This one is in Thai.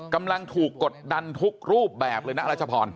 กำลังถูกกดดันทุกรูปแบบเลยนะรัชพร